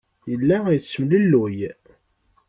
Yella yettemlelluy.